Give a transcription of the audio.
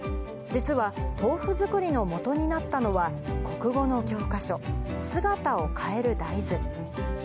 実は豆腐作りのもとになったのは、国語の教科書、すがたをかえる大豆。